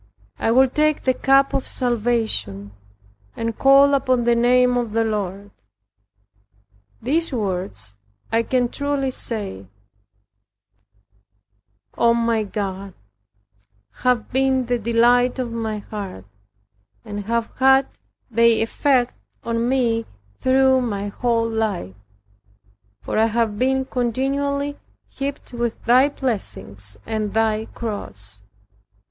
I will take the cup of salvation, and call upon the name of the Lord." These words, I can truly say, O my God, have been the delight of my heart, and have had their effect on me, through my whole life; for I have been continually heaped with thy blessings and thy cross.